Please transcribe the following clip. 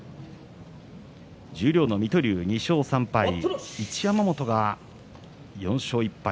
十両の水戸龍、２勝３敗一山本が４勝１敗。